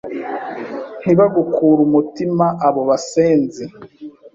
ntibagukure umutima abo basenzi